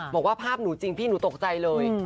บอกว่าภาพหนูจริงพี่หนูตกใจเลย